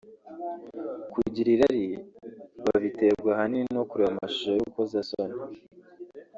Kugira irari babiterwa ahanini no kureba amashusho y’urukozasoni